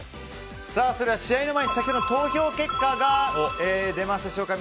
それでは試合の前に先ほどの投票結果が出ますでしょうか